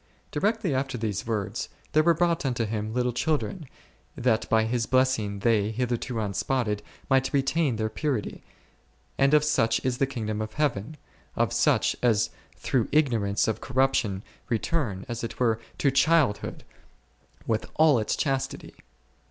Directly after these words, there were brought unto Him little children, that by His blessing, they, hitherto unspotted, might retain their purity ; and of such is the kingdom of Heaven, of such as through ignorance of corruption return, as it were, to childhood with all its chastity.